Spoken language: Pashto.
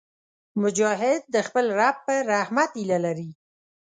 مجاهد د خپل رب په رحمت هیله لري.